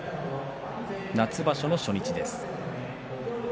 夏場所、初日です。